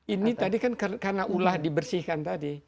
ini tadi kan karena ulah dibersihkan tadi